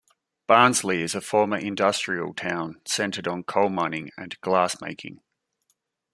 Barnsley is a former industrial town centred on coal mining and glassmaking.